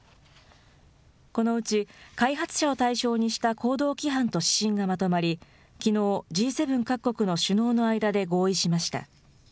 このうち開発者を対象にした行動規範と指針がまとまり、きのう、Ｇ７各国の首脳の間で合意しました。